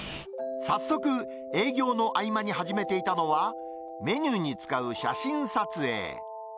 早速、営業の合間に始めていたのはメニューに使う写真撮影。